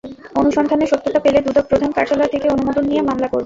অনুসন্ধানে সত্যতা পেলে দুদক প্রধান কার্যালয় থেকে অনুমোদন নিয়ে মামলা করবে।